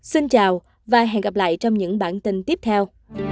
xin chào và hẹn gặp lại trong những bản tin tiếp theo